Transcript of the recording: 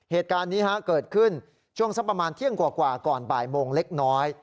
เหตุการณ์นี้เกิดขึ้นช่วงสักประมาณเที่ยงกว่าก่อนบ่ายโมงเล็กน้อย